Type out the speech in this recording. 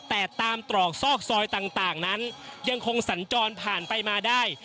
แต่ตามตรอกซอกซอยต่างนั้นยังคงสัญจรผ่านไปมาได้